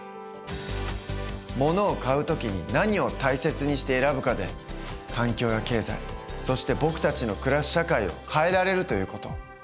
ものを買う時に何を大切にして選ぶかで環境や経済そして僕たちの暮らす社会を変えられるという事。